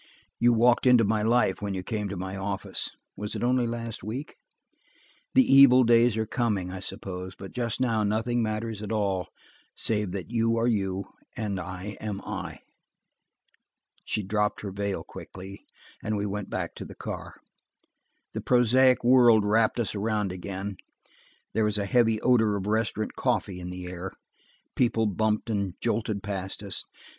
You walked into my life when you came to my office–was it only last week? The evil days are coming, I suppose, but just now nothing matters at all, save that you are you, and I am I." She dropped her veil quickly, and we went back to the car. The prosaic world wrapped us around again; there was a heavy odor of restaurant coffee in the air; people bumped and jolted past us.